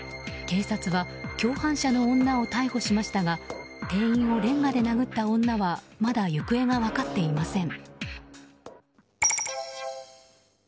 警察は共犯者の女を逮捕しましたが店員をレンガで殴った女はまだ行方が分かっていません。